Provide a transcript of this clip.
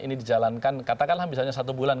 ini dijalankan katakanlah misalnya satu bulan